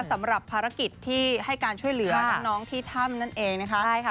สำหรับภารกิจที่ให้การช่วยเหลือน้องที่ถ้ำนั่นเองนะคะใช่ค่ะ